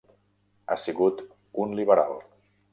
Ha sigut un liberal.